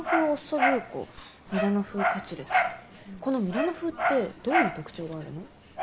この「ミラノ風」ってどういう特徴があるの？